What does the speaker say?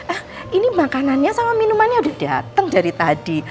eh ini makanannya sama minumannya udah dateng dari tadi